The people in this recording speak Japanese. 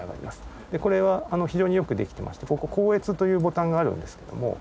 これは非常によくできてましてここ「校閲」というボタンがあるんですけども。